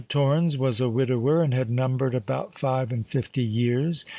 Torrens was a widower, and had numbered about five and fifty years.